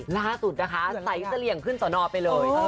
ล่าสุดนะคะใส่เสลี่ยงขึ้นสอนอไปเลย